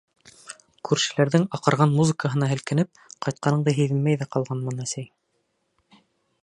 — Күршеләрҙең аҡырған музыкаһына һелкенеп, ҡайтҡаныңды һиҙмәй ҙә ҡалғанмын, әсәй.